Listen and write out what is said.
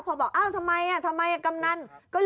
พอบอกอ้าวทำไมทำไมกำนัน